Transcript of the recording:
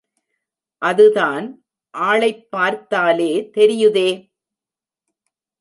அது தான் ஆளைப் பார்த்தாலே தெரியுதே.